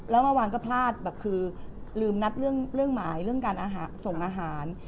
แล้วเมื่อวานก็พลาดแบบคือลืมนัดเรื่องหมายเรื่องการอาหารส่งอาหาร